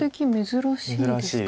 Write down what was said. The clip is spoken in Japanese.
珍しいです。